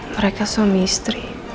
mereka suami istri